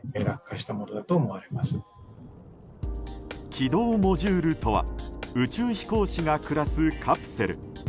軌道モジュールとは宇宙飛行士が暮らすカプセル。